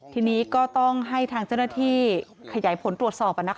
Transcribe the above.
ทีนี้ก็ต้องให้ทางเจ้าหน้าที่ขยายผลตรวจสอบ